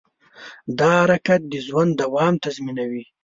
دا حرکت د ژوند دوام تضمینوي.